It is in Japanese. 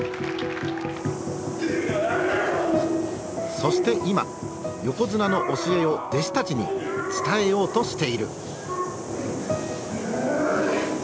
そして今横綱の教えを弟子たちに伝えようとしている。